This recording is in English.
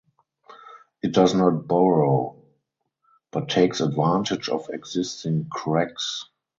It does not burrow but takes advantage of existing cracks.